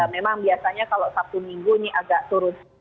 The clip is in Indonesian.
memang biasanya kalau sabtu minggu ini agak turun